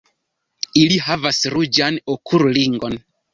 Ili havas ruĝan okulringon.